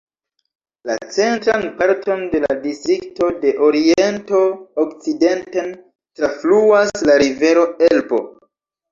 La centran parton de la distrikto de oriento okcidenten trafluas la rivero Elbo.